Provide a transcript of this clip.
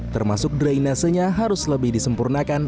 termasuk drainasenya harus lebih disempurnakan